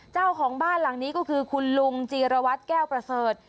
เจ้าของบ้านหลังนี้ก็คือคุณลุงจีรวัตรแก้วประเสริฐ